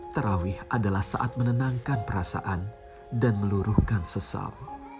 terawih adalah saat menenangkan perasaan dan meluruhkan sesal